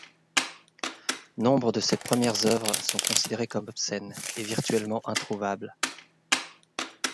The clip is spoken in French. Nombre de ses premières œuvres sont considérées comme obscènes et virtuellement introuvables.